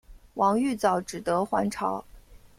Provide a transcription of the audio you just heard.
王玉藻只得还朝。